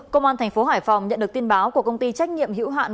công an thành phố hải phòng nhận được tin báo của công ty trách nhiệm hữu hạn